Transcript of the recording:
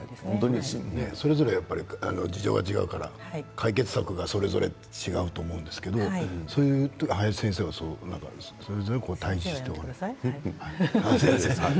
それぞれ事情が違うから解決策はそれぞれ違うと思うんですけれど林先生はそれぞれ。